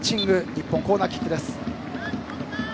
日本、コーナーキック。